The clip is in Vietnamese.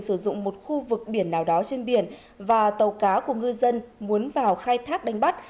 sử dụng một khu vực biển nào đó trên biển và tàu cá của ngư dân muốn vào khai thác đánh bắt